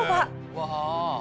うわ！